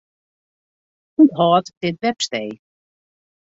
Unthâld dit webstee.